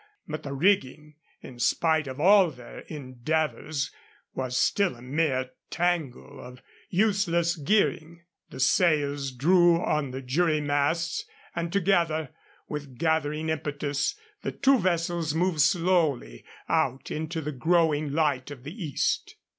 But the rigging, in spite of all their endeavors, was still a mere tangle of useless gearing. The sails drew on the jury masts, and together, with gathering impetus, the two vessels moved slowly out into the growing light of the East.